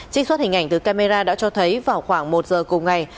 trích xuất hình ảnh từ camera đã cho thấy vào khoảng một giờ cùng ngày